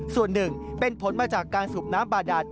ส่วนหนึ่งเป็นผลมาจากการสูบน้ำบาดาน